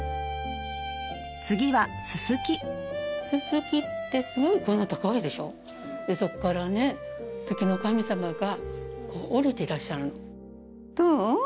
次はススキってすごいこんな高いでしょでそっからね月の神様がおりていらっしゃるのどう？